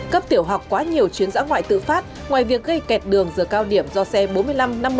cấp tiểu học quá nhiều chuyến giã ngoại tự phát ngoài việc gây kẹt đường giờ cao điểm do xe bốn mươi năm năm mươi